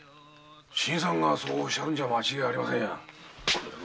新さんがおっしゃるんじゃ間違いありませんや。